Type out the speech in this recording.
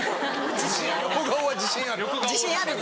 自信あるぞ。